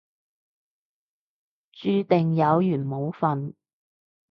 注定有緣冇瞓